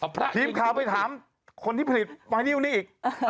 พีมข่าวไปถามคนที่ผลิตป้ายนี้อันนี้อีก